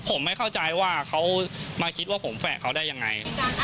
ผมไม่เข้าใจว่าเขามาคิดว่าผมแฝกเขาได้ยังไง